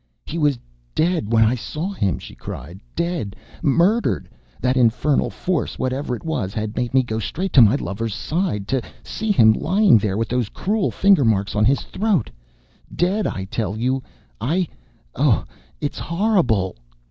"He was dead when I saw him!" she cried. "Dead! Murdered! That infernal force, what ever it was, had made me go straight to my lover's side, to see him lying there, with those cruel finger marks on his throat dead, I tell you, I oh, it is horrible!"